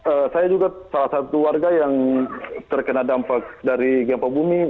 ee saya juga salah satu warga yang terkena dampak dari gempa bumi